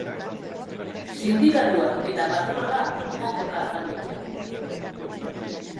Sindikatuak eta patronala mokoka azaldu dira.